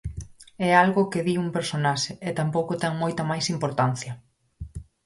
É algo que di un personaxe e tampouco ten moita máis importancia.